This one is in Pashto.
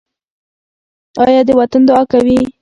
انا د وطن دعا کوي